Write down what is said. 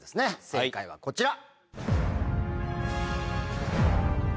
正解はこちら。